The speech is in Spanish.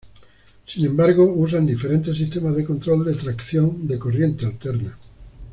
Sin embargo, usan diferentes sistemas de control de tracción de corriente alterna.